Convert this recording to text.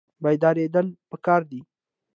بیداریدل پکار دي